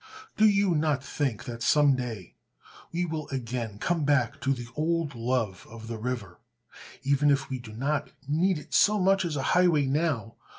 Do you not think that some day we will again come back to the old love of the river, even if we do not need it so much as a highway now?